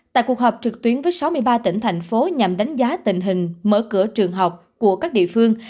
tại cuộc họp trực tuyến với sáu mươi ba tỉnh thành phố nhằm đánh giá tình hình mở cửa trường học của các địa phương